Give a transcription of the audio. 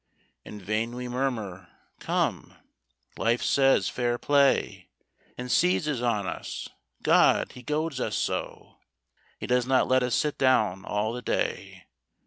In vain we murmur, "Come," Life says, "fair play!" And seizes on us. God! he goads us so! He does not let us sit down all the day.